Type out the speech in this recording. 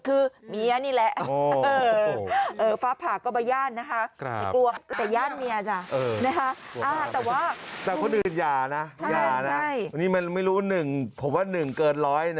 เออนี่